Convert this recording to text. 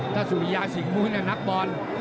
ถ้าสุริยาสิงหมุนนักบอล